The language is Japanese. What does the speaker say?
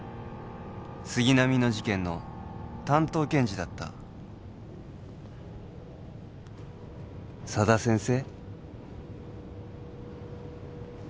杉並の事件の担当検事だった佐田先生